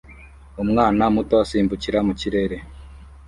Umwana muto usimbukira mu kirere